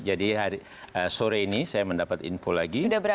jadi sore ini saya mendapat info lagi